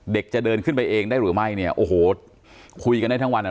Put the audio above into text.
จะเดินขึ้นไปเองได้หรือไม่เนี่ยโอ้โหคุยกันได้ทั้งวันอ่ะ